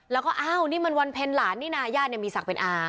แล้วก็อ้าวนี่มันวันเพ็ญหลานนี่นาย่าเนี่ยมีศักดิ์เป็นอา